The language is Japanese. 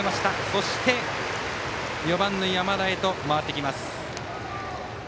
そして４番の山田へと回ってきます。